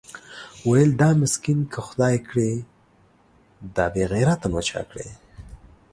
ويل دا مسکين که خداى کړې دا بېغيرته نو چا کړې؟